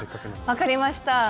分かりました。